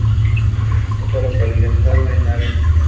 Está localizado en Av.